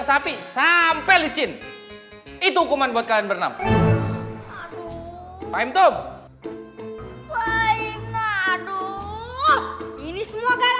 gak kemana akan ge paz uang